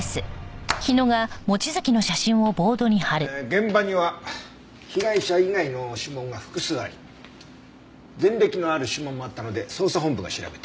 現場には被害者以外の指紋が複数あり前歴のある指紋もあったので捜査本部が調べてる。